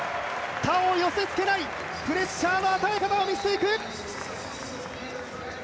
他を寄せ付けないプレッシャーの与え方を見せていく！